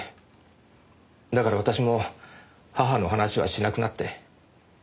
だから私も母の話はしなくなって。